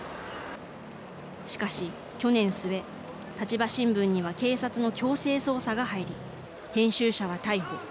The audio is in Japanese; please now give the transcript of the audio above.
しかし、去年末立場新聞には警察の強制捜査が入り編集者は逮捕。